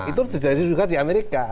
itu terjadi juga di amerika